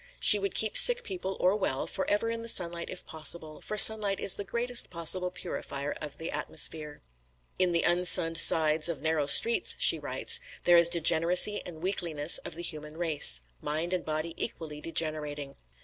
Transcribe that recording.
She would keep sick people, or well, forever in the sunlight if possible, for sunlight is the greatest possible purifier of the atmosphere. "In the unsunned sides of narrow streets," she writes, "there is degeneracy and weakliness of the human race mind and body equally degenerating.